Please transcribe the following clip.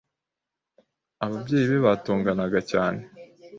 ababyeyi be batonganaga cyane